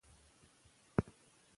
که وقفه وي نو ذهن نه ستړی کیږي.